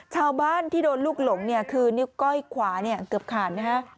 ชาวบ้านที่โดนลูกหลงคือนิ้วก้อยขวาเกือบขาด